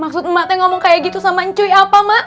maksud emak teh ngomong kayak gitu sama cuy apa emak